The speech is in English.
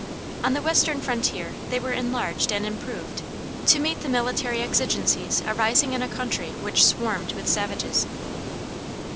On the Western frontier they were enlarged and improved to meet the military exigencies arising in a country which swarmed with savages. [Footnote: Doddridge's Notes.